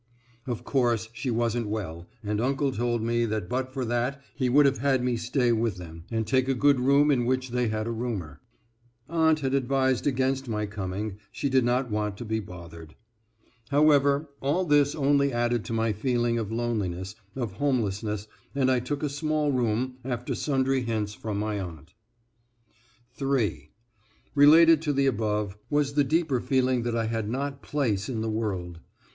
Of course, she wasn't well, and uncle told me that but for that he would have had me stay with them, and take a good room in which they had a roomer. Aunt had advised against my coming she did not want to be bothered. However, all this only added to my feeling of loneliness, of homelessness, and I took a small room, after sundry hints from my aunt. (3) Related to the above, was the deeper feeling that I had not place in the world.